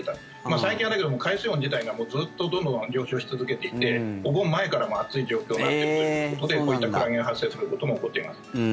最近は、海水温自体がずっとどんどん上昇し続けていてお盆前から、もう暑い状況になっているということでこういったクラゲが発生することも起こっています。